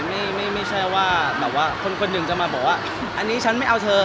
ไม่ใช่ว่าแบบว่าคนหนึ่งจะมาบอกว่าอันนี้ฉันไม่เอาเธอ